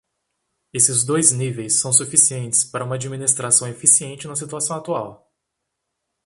Esses dois níveis são suficientes para uma administração eficiente na situação atual.